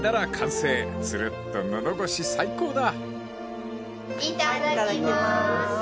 ［つるっと喉越し最高だ］